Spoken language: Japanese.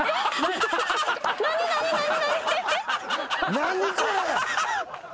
何これ！